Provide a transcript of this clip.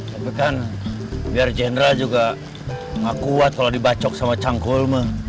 tapi kan biar jenderal juga gak kuat kalo dibacok sama canggul mah